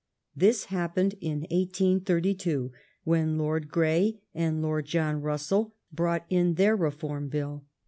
This happened in 1832, when Lord Grey and Lord John Russell brought in their Reform Bill.